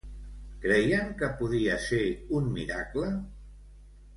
Creien que podia ser un miracle?